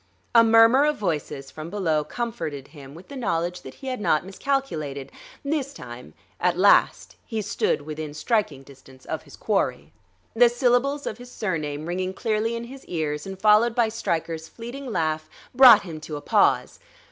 A murmur of voices from below comforted him with the knowledge that he had not miscalculated, this time; at last he stood within striking distance of his quarry. The syllables of his surname ringing clearly in his ears and followed by Stryker's fleeting laugh, brought him to a pause.